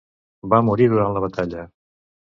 Va morir durant la batalla.